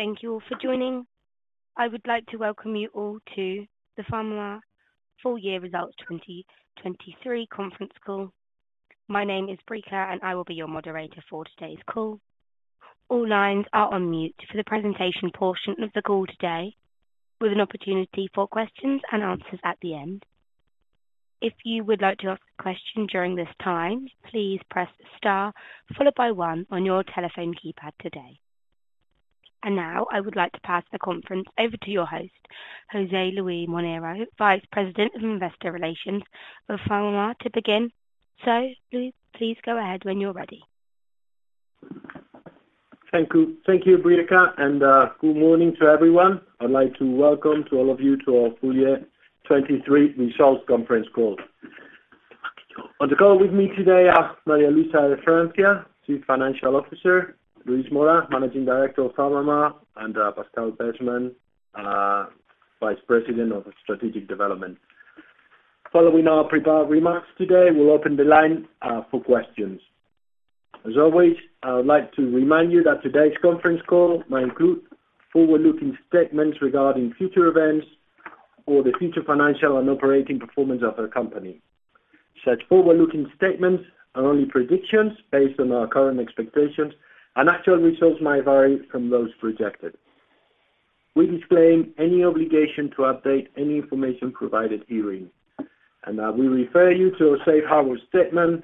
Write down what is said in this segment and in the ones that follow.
Thank you all for joining. I would like to welcome you all to the PharmaMar full year results 2023 conference call. My name is Brika, and I will be your moderator for today's call. All lines are on mute for the presentation portion of the call today, with an opportunity for questions and answers at the end. If you would like to ask a question during this time, please press star followed by one on your telephone keypad today. And now I would like to pass the conference over to your host, José Luis Moreno, Vice President of Investor Relations of PharmaMar, to begin. So, Luis, please go ahead when you're ready. Thank you, Brika, and good morning to everyone. I'd like to welcome all of you to our full year 2023 results conference call. On the call with me today are María Luisa de Francia, Chief Financial Officer, Luis Mora, Managing Director of PharmaMar, and Pascal Besman, Vice President of Strategic Development. Following our prepared remarks today, we'll open the line for questions. As always, I would like to remind you that today's conference call may include forward-looking statements regarding future events or the future financial and operating performance of a company. Such forward-looking statements are only predictions based on our current expectations, and actual results may vary from those projected. We disclaim any obligation to update any information provided here. We refer you to a safe harbor statement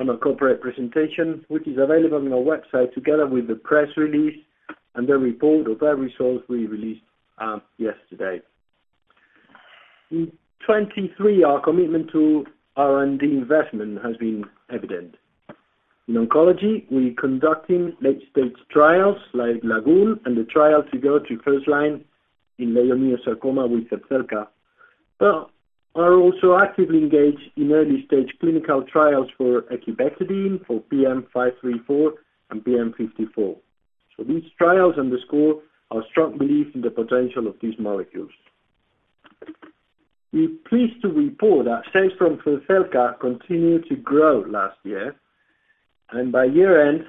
on a corporate presentation, which is available on our website together with the press release and the report of that results we released yesterday. In 2023, our commitment to R&D investment has been evident. In oncology, we're conducting late-stage trials like Lagoon and the trial to go to first line in leiomyosarcoma with Zepzelca, but are also actively engaged in early-stage clinical trials for ecubectedin, PM534, and PM54. These trials underscore our strong belief in the potential of these molecules. We're pleased to report that sales from Zepzelca continued to grow last year, and by year-end,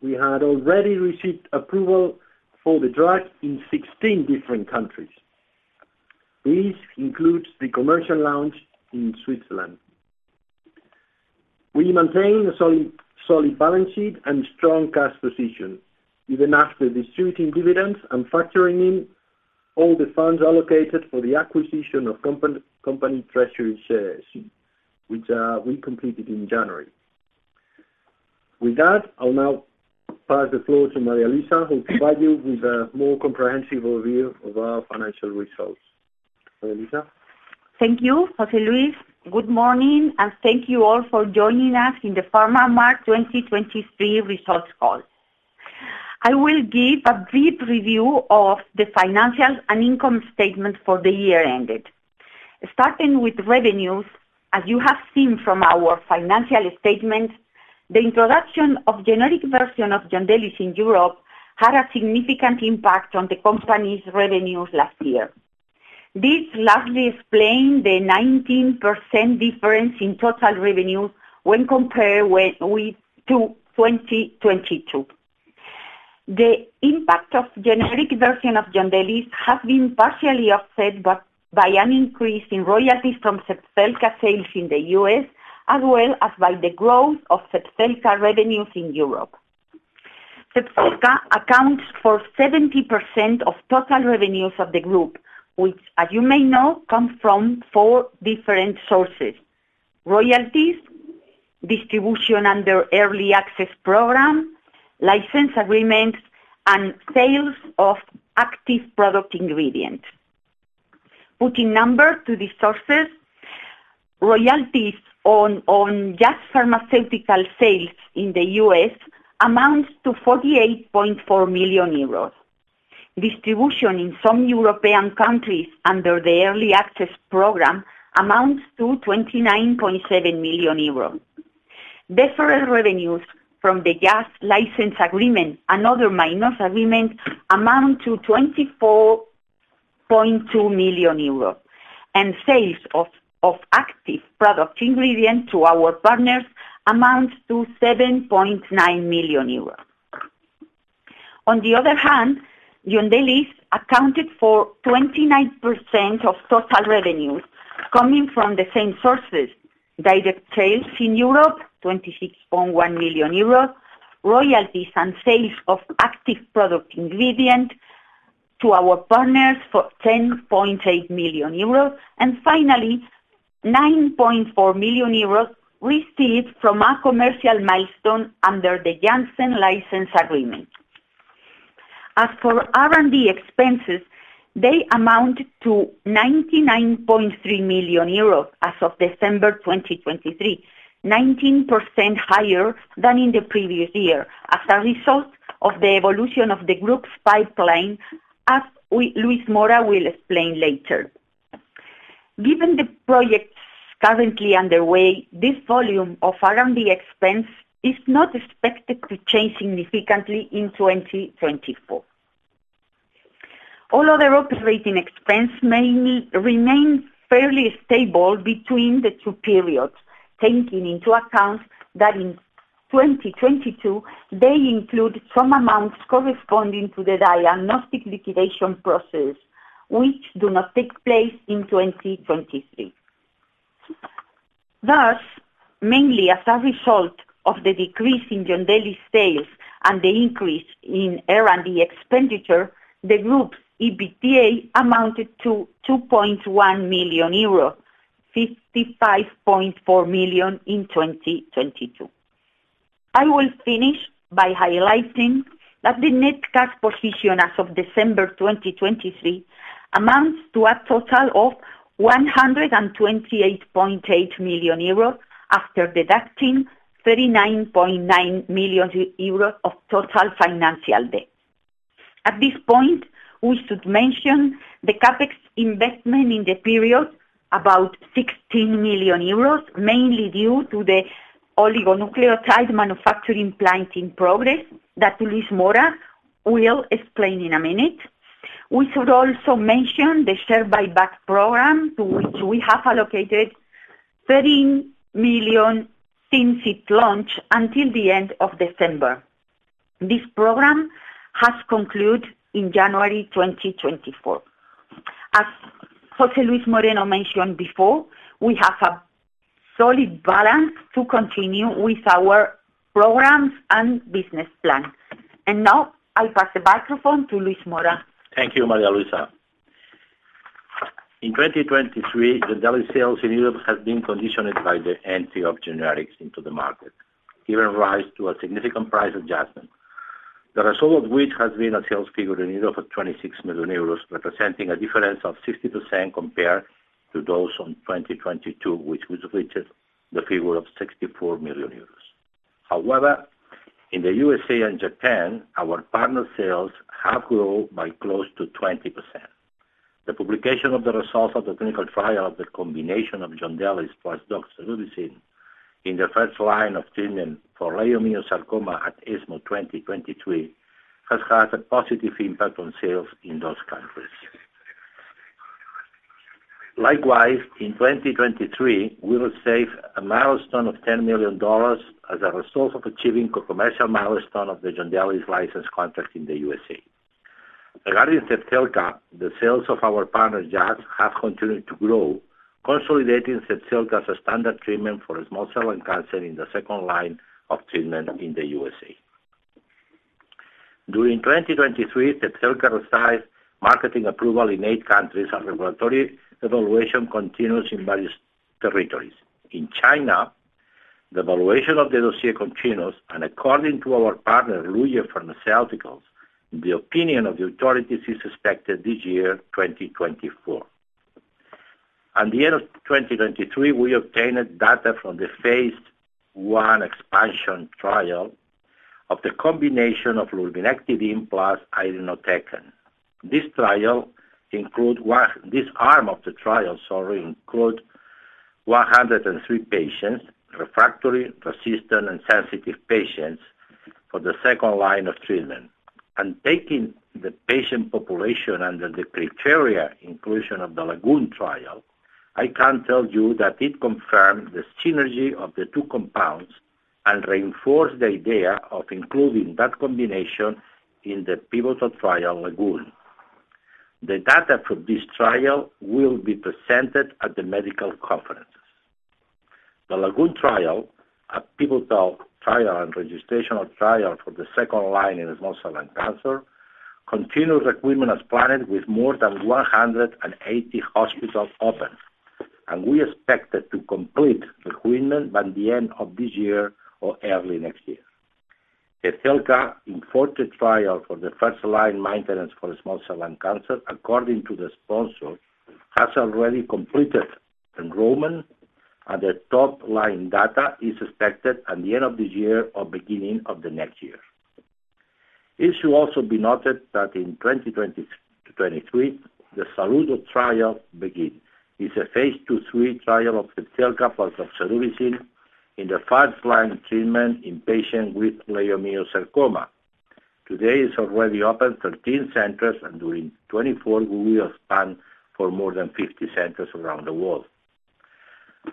we had already received approval for the drug in 16 different countries. This includes the commercial launch in Switzerland. We maintain a solid balance sheet and strong cash position, even after distributing dividends and factoring in all the funds allocated for the acquisition of company treasury shares, which we completed in January. With that, I'll now pass the floor to María Luisa, who'll provide you with a more comprehensive overview of our financial results. María Luisa? Thank you, José Luis. Good morning and thank you all for joining us in the PharmaMar 2023 results call. I will give a brief review of the financial and income statements for the year ended. Starting with revenues, as you have seen from our financial statements, the introduction of a generic version of Yondelis in Europe had a significant impact on the company's revenues last year. This largely explained the 19% difference in total revenue when compared with 2022. The impact of the generic version of Yondelis has been partially offset by an increase in royalties from Zepzelca sales in the US, as well as by the growth of Zepzelca revenues in Europe. Zepzelca accounts for 70% of total revenues of the group, which, as you may know, comes from four different sources: royalties, distribution under early access program, license agreements, and sales of active pharmaceutical ingredients. Putting numbers to the sources, royalties on Zepzelca pharmaceutical sales in the US amount to 48.4 million euros. Distribution in some European countries under the early access program amounts to 29.7 million euros. Deferred revenues from the Zepzelca license agreement and other minor agreements amount to 24.2 million euros, and sales of active pharmaceutical ingredients to our partners amount to 7.9 million euros. On the other hand, Yondelis accounted for 29% of total revenues coming from the same sources: direct sales in Europe, 26.1 million euros; royalties and sales of active pharmaceutical ingredients to our partners for 10.8 million euros; and finally, 9.4 million euros received from our commercial milestone under the Janssen license agreement. As for R&D expenses, they amount to 99.3 million euros as of December 2023, 19% higher than in the previous year as a result of the evolution of the group's pipeline, as Luis Mora will explain later. Given the projects currently underway, this volume of R&D expense is not expected to change significantly in 2024. All other operating expenses may remain fairly stable between the two periods, taking into account that in 2022, they include some amounts corresponding to the diagnostic liquidation process, which do not take place in 2023. Thus, mainly as a result of the decrease in Yondelis sales and the increase in R&D expenditure, the group's EBITDA amounted to 2.1 million euros, 55.4 million in 2022. I will finish by highlighting that the net cash position as of December 2023 amounts to a total of 128.8 million euros after deducting 39.9 million euros of total financial debt. At this point, we should mention the CapEx investment in the period, about 16 million euros, mainly due to the oligonucleotide manufacturing plant in progress that Luis Mora will explain in a minute. We should also mention the share buyback program to which we have allocated 13 million since its launch until the end of December. This program has concluded in January 2024. As José Luis Moreno mentioned before, we have a solid balance to continue with our programs and business plan. Now I pass the microphone to Luis Mora. Thank you, María Luisa. In 2023, Yondelis sales in Europe have been conditioned by the entry of generics into the market, giving rise to a significant price adjustment, the result of which has been a sales figure in Europe of 26 million euros, representing a difference of 60% compared to those in 2022, which reached the figure of 64 million euros. However, in the USA and Japan, our partner sales have grown by close to 20%. The publication of the results of the clinical trial of the combination of Yondelis plus doxorubicin in the first line of treatment for leiomyosarcoma at ESMO 2023 has had a positive impact on sales in those countries. Likewise, in 2023, we will save a milestone of $10 million as a result of achieving the commercial milestone of the Yondelis license contract in the USA. Regarding Zepzelca, the sales of our partner Jazz have continued to grow, consolidating Zepzelca as a standard treatment for small cell lung cancer in the second line of treatment in the USA. During 2023, Zepzelca received marketing approval in 8 countries, and regulatory evaluation continues in various territories. In China, the evaluation of the dossier continues, and according to our partner, Luye Pharmaceuticals, the opinion of the authorities is expected this year, 2024. At the end of 2023, we obtained data from the Phase I expansion trial of the combination of lurbinectedin plus atezolizumab. This trial included 103 patients, refractory, resistant, and sensitive patients for the second line of treatment. Taking the patient population under the inclusion criteria of the Lagoon trial, I can tell you that it confirmed the synergy of the two compounds and reinforced the idea of including that combination in the pivotal trial, Lagoon. The data from this trial will be presented at the medical conferences. The Lagoon trial, a pivotal trial and registration trial for the second line in small cell lung cancer, continues recruitment as planned with more than 180 hospitals open, and we expect it to complete recruitment by the end of this year or early next year. Zepzelca, IMforte trial for the first line maintenance for small cell lung cancer, according to the sponsor, has already completed enrollment, and the top-line data is expected at the end of this year or beginning of the next year. It should also be noted that in 2023, the SaLuDo trial begins. It's a Phase II, III trial of Zepzelca plus doxorubicin in the first line treatment in patients with leiomyosarcoma. Today, it's already opened 13 centers, and during 2024, we will expand for more than 50 centers around the world.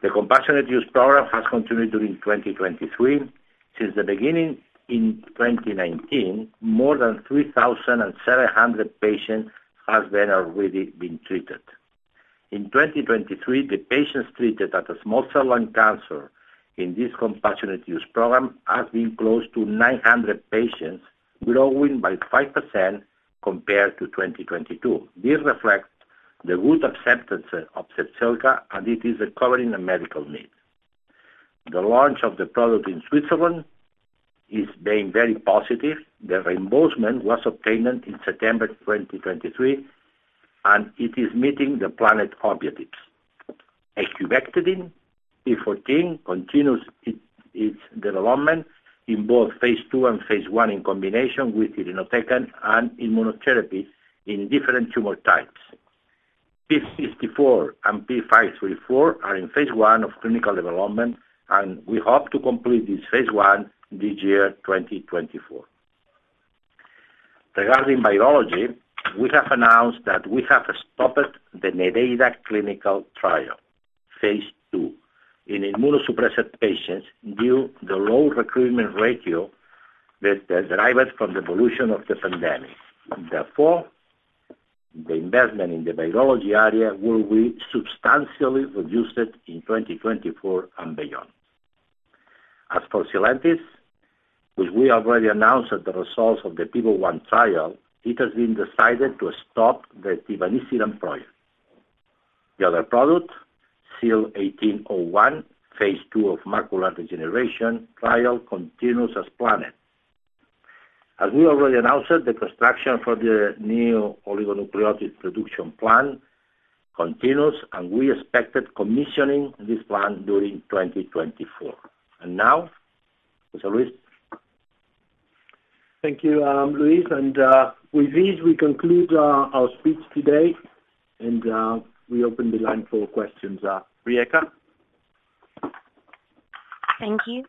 The compassionate use program has continued during 2023. Since the beginning in 2019, more than 3,700 patients have been already treated. In 2023, the patients treated at small cell lung cancer in this compassionate use program have been close to 900 patients, growing by 5% compared to 2022. This reflects the good acceptance of Zepzelca, and it is covering a medical need. The launch of the product in Switzerland is being very positive. The reimbursement was obtained in September 2023, and it is meeting the planned objectives. Ecubectedin PM14 continues its development in both Phase II and Phase I in combination with Adenotecan and immunotherapy in different tumor types. PM54 and PM534 are in Phase I of clinical development, and we hope to complete this Phase I this year, 2024. Regarding virology, we have announced that we have stopped the Nereida clinical trial, Phase II, in immunosuppressed patients due to the low recruitment ratio that is derived from the evolution of the pandemic. Therefore, the investment in the virology area will be substantially reduced in 2024 and beyond. As for Sylentis, which we already announced at the results of the Phase I trial, it has been decided to stop the tivanisiran project. The other product, SYL1801, Phase II of macular degeneration trial continues as planned. As we already announced, the construction for the new oligonucleotide production plant continues, and we expected commissioning this plant during 2024. And now, José Luis? Thank you, Luis. With this, we conclude our speech today, and we open the line for questions. Brika. Thank you.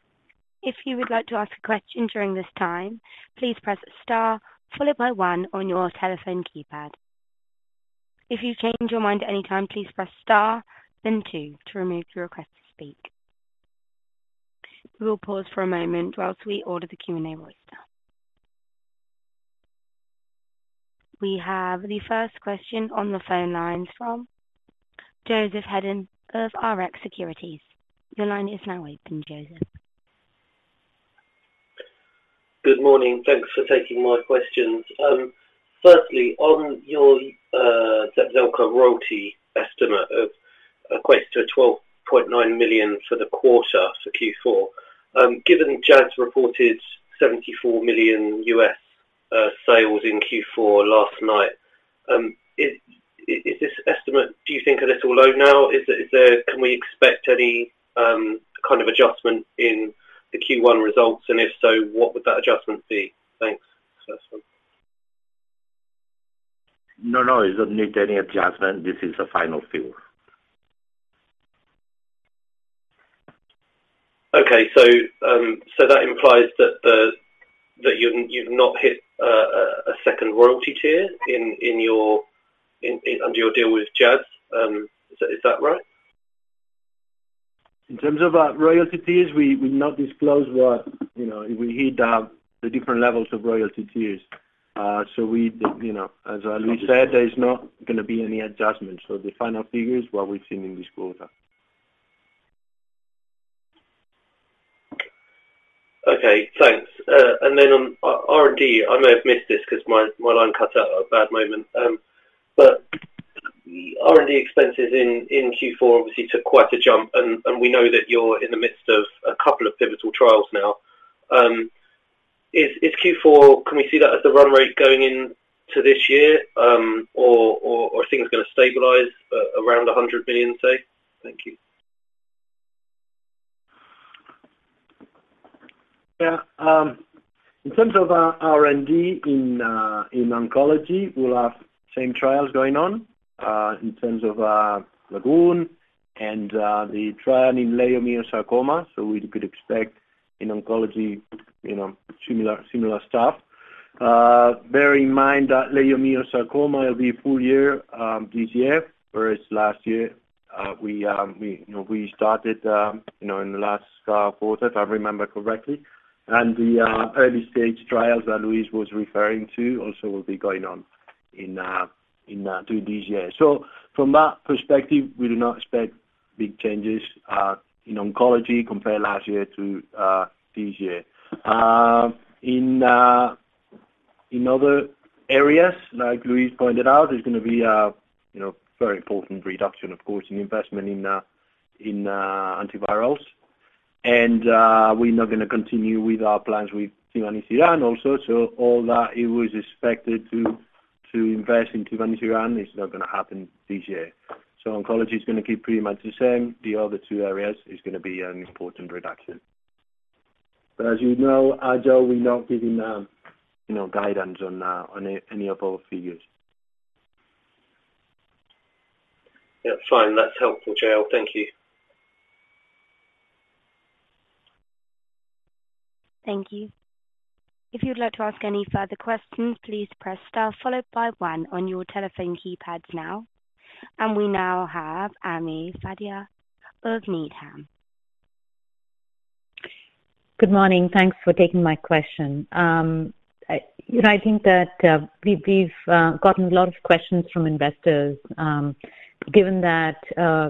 If you would like to ask a question during this time, please press star, followed by one, on your telephone keypad. If you change your mind at any time, please press star, then two, to remove your request to speak. We will pause for a moment while we order the Q&A voicemail. We have the first question on the phone lines from Joseph Hedden of Rx Securities. Your line is now open, Joseph. Good morning. Thanks for taking my questions. Firstly, on your Zepzelca royalty estimate of close to 12.9 million for the quarter, for Q4, given Jazz reported $74 million sales in Q4 last night, is this estimate, do you think, a little low now? Can we expect any kind of adjustment in the Q1 results, and if so, what would that adjustment be? Thanks, José. No, no. It doesn't need any adjustment. This is the final figure. Okay. So that implies that you've not hit a second royalty tier under your deal with Jazz. Is that right? In terms of royalties, we'll not disclose what we hit the different levels of royalty tiers. As Luis said, there's not going to be any adjustment. The final figure is what we've seen in this quarter. Okay. Thanks. And then on R&D, I may have missed this because my line cut out at a bad moment. But R&D expenses in Q4, obviously, took quite a jump, and we know that you're in the midst of a couple of pivotal trials now. Can we see that as the run rate going into this year, or are things going to stabilize around 100 million, say? Thank you. Yeah. In terms of R&D in oncology, we'll have the same trials going on in terms of Lagoon and the trial in leiomyosarcoma. So we could expect in oncology similar stuff. Bear in mind that leiomyosarcoma will be a full year this year, whereas last year, we started in the last quarter, if I remember correctly. And the early-stage trials that Luis was referring to also will be going on through this year. So from that perspective, we do not expect big changes in oncology compared last year to this year. In other areas, like Luis pointed out, there's going to be a very important reduction, of course, in investment in antivirals. And we're not going to continue with our plans with tivanisiran also. So all that it was expected to invest in tivanisiran is not going to happen this year. Oncology is going to keep pretty much the same. The other two areas, it's going to be an important reduction. As you know, Joe, we're not giving guidance on any of our figures. Yeah. Fine. That's helpful, Joe. Thank you. Thank you. If you would like to ask any further questions, please press star, followed by one, on your telephone keypads now. We now have Ami Fadia of Needham. Good morning. Thanks for taking my question. I think that we've gotten a lot of questions from investors. Given that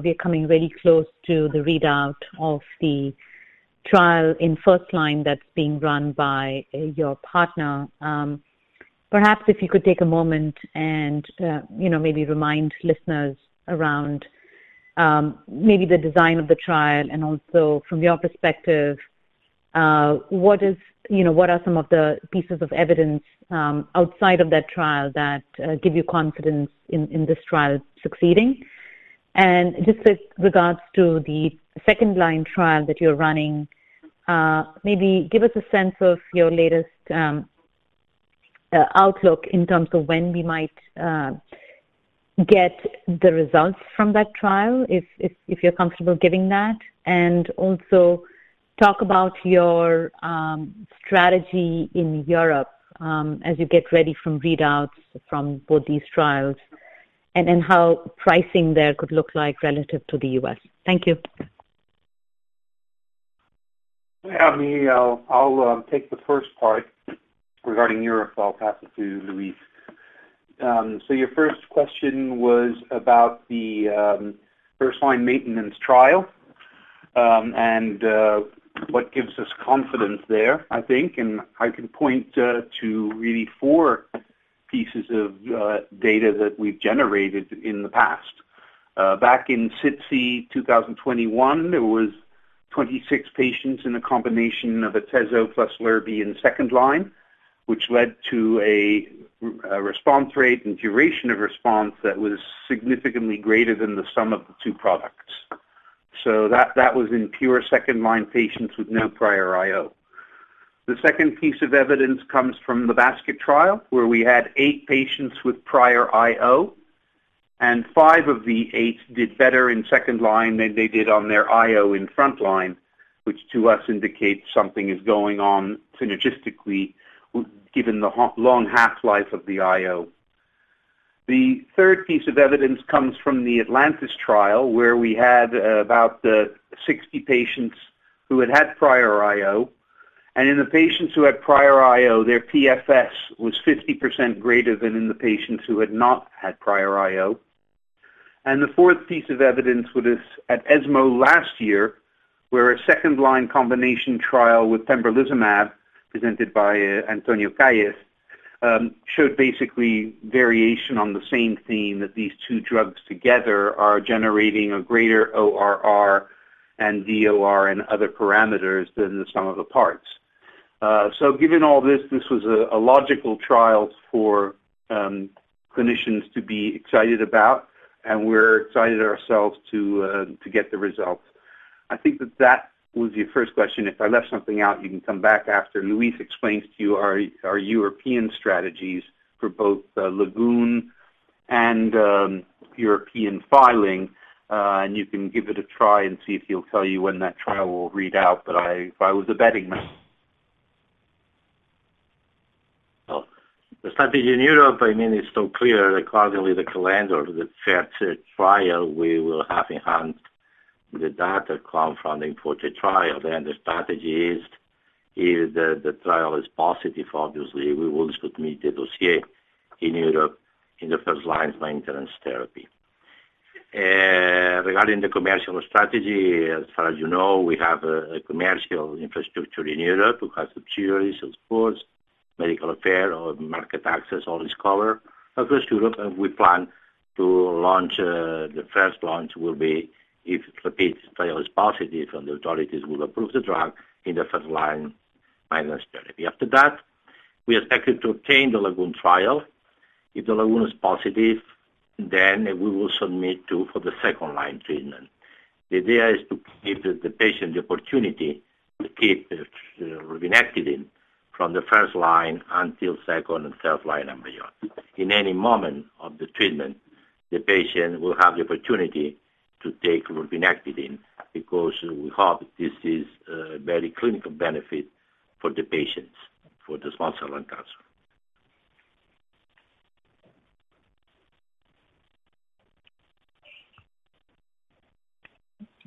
we're coming really close to the readout of the trial in first line that's being run by your partner, perhaps if you could take a moment and maybe remind listeners around maybe the design of the trial and also, from your perspective, what are some of the pieces of evidence outside of that trial that give you confidence in this trial succeeding? And just with regards to the second line trial that you're running, maybe give us a sense of your latest outlook in terms of when we might get the results from that trial, if you're comfortable giving that, and also talk about your strategy in Europe as you get ready from readouts from both these trials and how pricing there could look like relative to the US. Thank you. Yeah. I'll take the first part regarding Europe. I'll pass it to Luis. So your first question was about the first-line maintenance trial and what gives us confidence there, I think. I can point to really four pieces of data that we've generated in the past. Back in SITC 2021, there were 26 patients in a combination of atezo plus lurbi in second-line, which led to a response rate and duration of response that was significantly greater than the sum of the two products. So that was in pure second-line patients with no prior IO. The second piece of evidence comes from the basket trial, where we had 8 patients with prior IO, and 5 of the 8 did better in second-line than they did on their IO in front-line, which to us indicates something is going on synergistically given the long half-life of the IO. The third piece of evidence comes from the Atlantis trial, where we had about 60 patients who had had prior IO. And in the patients who had prior IO, their PFS was 50% greater than in the patients who had not had prior IO. And the fourth piece of evidence was at ESMO last year, where a second-line combination trial with pembrolizumab presented by Antonio Calles showed basically variation on the same theme that these two drugs together are generating a greater ORR and DOR and other parameters than the sum of the parts. So given all this, this was a logical trial for clinicians to be excited about, and we're excited ourselves to get the results. I think that that was your first question. If I left something out, you can come back after. Luis explained to you our European strategies for both Lagoon and European filing, and you can give it a try and see if he'll tell you when that trial will read out, but if I was a betting man. The strategy in Europe, I mean, it's so clear that currently, the calendar that sets the trial, we will have in hand the data coming from the important trial. Then the strategy is if the trial is positive, obviously, we will submit the dossier in Europe in the first-line maintenance therapy. Regarding the commercial strategy, as far as you know, we have a commercial infrastructure in Europe who has subsidiaries, sales, medical affairs, market access, all is covered across Europe. And we plan to launch the first launch will be if the trial is positive and the authorities will approve the drug in the first-line maintenance therapy. After that, we expect it to obtain the Lagoon trial. If the Lagoon is positive, then we will submit too for the second-line treatment. The idea is to give the patient the opportunity to keep the lurbinectedin from the first line until second and third line and beyond. In any moment of the treatment, the patient will have the opportunity to take lurbinectedin because we hope this is a very clinical benefit for the patients for the small cell lung cancer.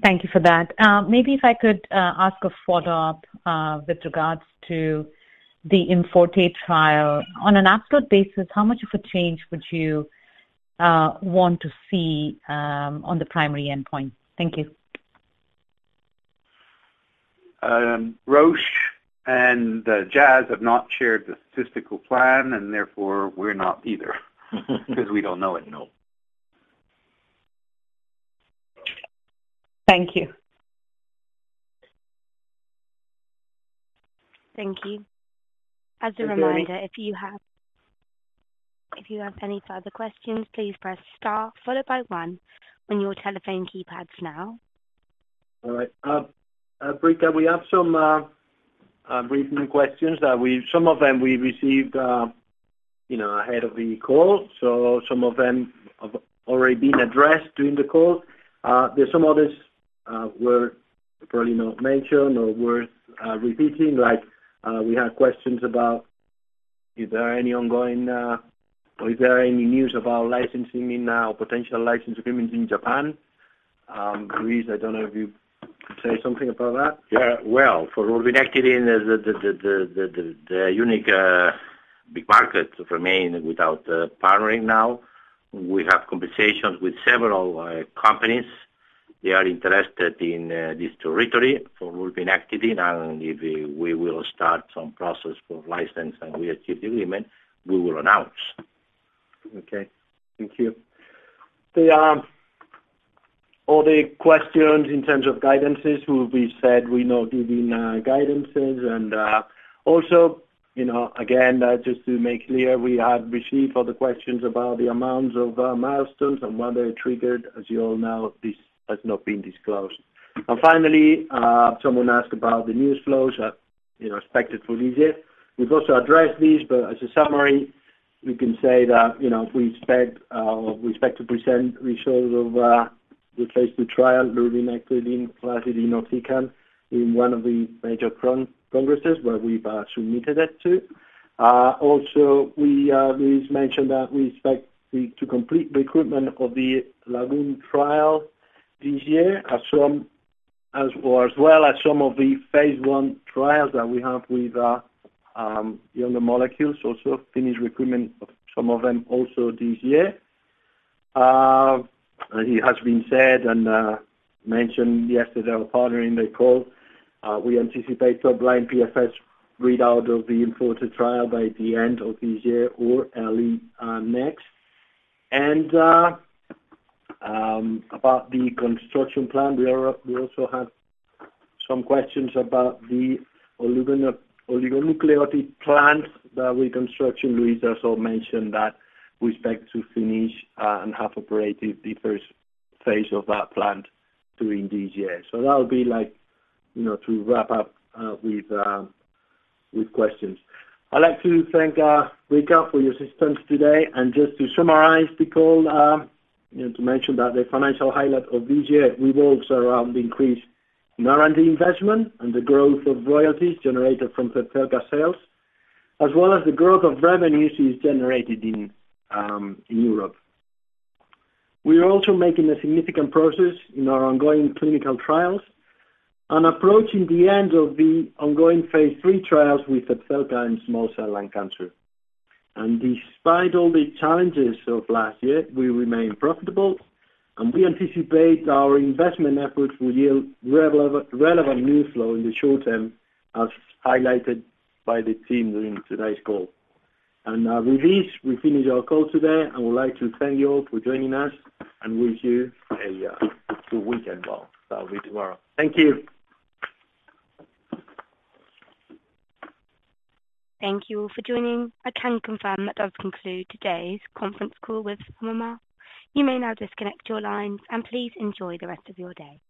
Thank you for that. Maybe if I could ask a follow-up with regards to the IMforte trial. On an absolute basis, how much of a change would you want to see on the primary endpoint? Thank you. Roche and Jazz have not shared the statistical plan, and therefore, we're not either because we don't know it. No. Thank you. Thank you. As a reminder, if you have any further questions, please press star, followed by one, on your telephone keypads now. All right. Brika, we have some recent questions. Some of them, we received ahead of the call, so some of them have already been addressed during the call. There's some others that were probably not mentioned or worth repeating. We had questions about if there are any ongoing or is there any news about licensing in now, potential license agreements in Japan. Luis, I don't know if you could say something about that. Yeah. Well, for lurbinectedin, there's the unique big market for me without partnering now. We have conversations with several companies. They are interested in this territory for lurbinectedin. And if we will start some process for license and we achieve the agreement, we will announce. Okay. Thank you. All the questions in terms of guidance, we've said we're not giving guidance. And also, again, just to make clear, we have received all the questions about the amounts of milestones and whether it triggered, as you all know, this has not been disclosed. And finally, someone asked about the news flow expected for this year. We've also addressed this, but as a summary, we can say that we expect to present results of the Phase II trial, lurbinectedin, Aplidin, doxorubicin, in one of the major congresses where we've submitted it to. Also, Luis mentioned that we expect to complete recruitment of the Lagoon trial this year as well as some of the Phase I trials that we have with the other molecules, also finish recruitment of some of them also this year. It has been said and mentioned yesterday during the call. We anticipate top line PFS readout of the IMforte trial by the end of this year or early next. About the construction plan, we also have some questions about the oligonucleotide plant that we construct. Luis also mentioned that we expect to finish and have operated the first phase of that plant during this year. That'll be to wrap up with questions. I'd like to thank Brika for your assistance today. Just to summarize the call, to mention that the financial highlight of this year revolves around the increase in R&D investment and the growth of royalties generated from Zepzelca sales, as well as the growth of revenues generated in Europe. We're also making significant progress in our ongoing clinical trials, approaching the end of the ongoing Phase III trials with Zepzelca and small cell lung cancer. Despite all the challenges of last year, we remain profitable, and we anticipate our investment efforts will yield relevant new flow in the short term, as highlighted by the team during today's call. With this, we finish our call today, and we'd like to thank you all for joining us and wish you a good weekend. Well, that'll be tomorrow. Thank you. Thank you for joining. I can confirm that does conclude today's conference call with PharmaMar. You may now disconnect your lines, and please enjoy the rest of your day.